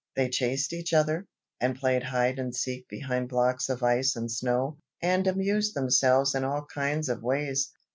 They chased each other, and played hide and seek behind blocks of ice and snow, and amused themselves in all kinds of ways.